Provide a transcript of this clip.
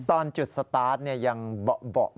ตอนจุดสตาร์ทเนี่ยยังเบา